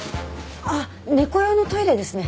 あっ猫用のトイレですね。